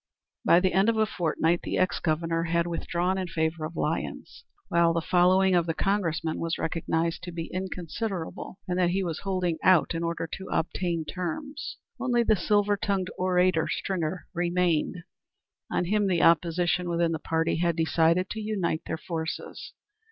By the end of a fortnight the ex Governor had withdrawn in favor of Lyons; while the following of the Congressman was recognized to be inconsiderable, and that he was holding out in order to obtain terms. Only the silver tongued orator, Stringer, remained. On him the opposition within the party had decided to unite their forces.